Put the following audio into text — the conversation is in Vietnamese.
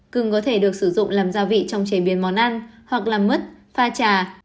cưng có thể được sử dụng làm gia vị trong chế biến món ăn hoặc làm mứt pha trà